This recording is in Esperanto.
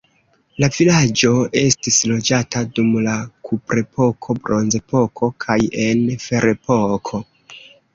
La vilaĝo estis loĝata dum la kuprepoko, bronzepoko kaj en ferepoko.